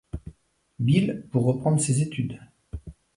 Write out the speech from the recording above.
Bill pour reprendre ses études.